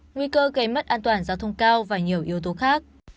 nguy cơ gây mất an toàn giao thông cao và nhiều yếu tố khác